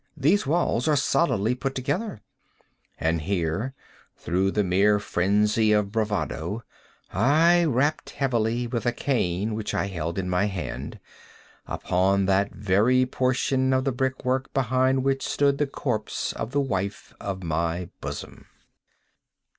—these walls are solidly put together;" and here, through the mere phrenzy of bravado, I rapped heavily, with a cane which I held in my hand, upon that very portion of the brick work behind which stood the corpse of the wife of my bosom.